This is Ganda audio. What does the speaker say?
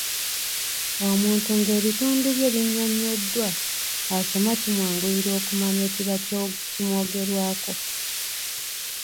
Omuntu nga ebitundu bye binnyonnyoddwa, asoma kimwanguyira okumanya ekiba kimwogerwako.